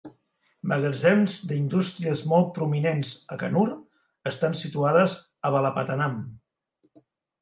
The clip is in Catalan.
Magatzems d'indústries molt prominents a Kannur estan situades a Valapattanam.